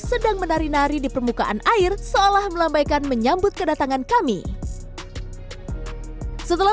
sedang menari nari di permukaan air seolah melambaikan menyambut kedatangan kami setelah